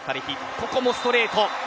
ここもストレート。